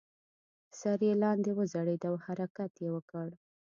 سر یې لاندې وځړید او حرکت یې وکړ.